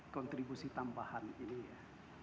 kontribusi tambahan ini ya